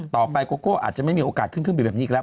โกโก้อาจจะไม่มีโอกาสขึ้นเครื่องบินแบบนี้อีกแล้ว